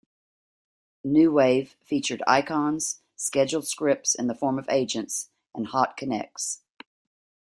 NewWave featured icons, scheduled scripts in the form of "agents", and "hot connects.